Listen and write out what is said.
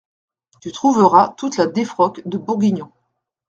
Tu trouveras toute la défroque de Bourguignon…